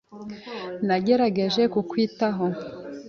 Nagerageje kukwitaho.